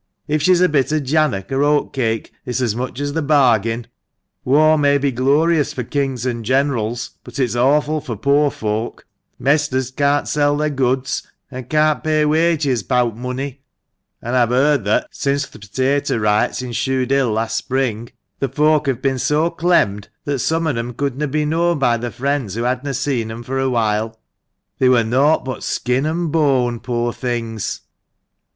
If she's a bit of jannock, or oat cake, it's as much as the bargain. War may be glorious for kings and generals, but it's awful for poor folk ; Mesters can't sell their goods, and can't pay wages bout money ; and I've heard that, since th' potato riots in Shudehill last spring, the folk have been so clemmed that some on them couldna be known by their friends who hadna seen them for awhile ; they were naught but skin and bone, poor things!"